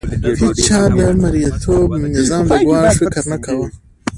هیڅ چا د مرئیتوب نظام د ګواښ فکر نه کاوه.